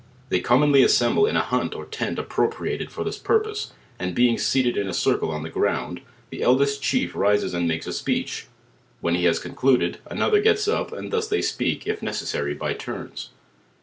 They common ly assemble in a hut or tent appropriated to this purpose, and being seated in a circle on the ground, the eldest chief rises and makes a speech, when he has concluded, another gets up and thus they speak if necessary, by turns.